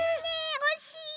おしい。